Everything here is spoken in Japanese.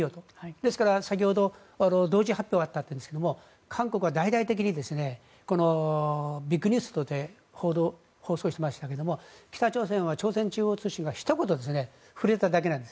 ですから、先ほど同時発表があったというんですが韓国は大々的にビッグニュースとして放送しましたけど北朝鮮は朝鮮中央通信がひと言触れただけなんです。